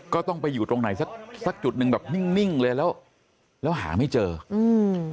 ก็ต้องไปอยู่ตรงไหนสักสักจุดหนึ่งแบบนิ่งนิ่งเลยแล้วแล้วหาไม่เจออืม